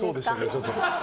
ちょっと。